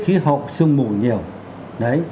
khí hậu sương mù nhiều đấy